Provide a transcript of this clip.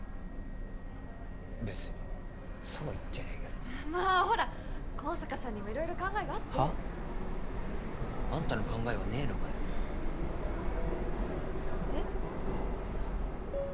別にそうは言ってねえけどまあほら香坂さんにも色々考えがあってはっ？あんたの考えはねえのかよえっ？